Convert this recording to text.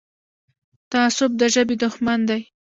تعصب د ژبې دښمن دی.